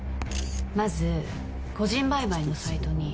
まず個人売買のサイトに